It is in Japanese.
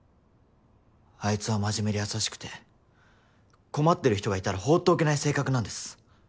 アイツは真面目で優しくて困ってる人がいたら放っておけない性格なんです。